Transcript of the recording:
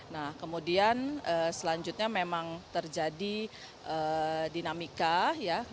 nah kemudian selanjutnya memang terjadi dinamika ya